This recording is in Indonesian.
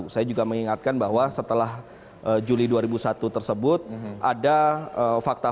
saya juga mengingatkan bahwa setelah juli dua ribu satu tersebut ada empat tahun yang lalu diperlukan untuk memulai keputusan politik